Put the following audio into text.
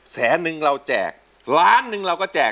แสนนึงเราแจกล้านหนึ่งเราก็แจก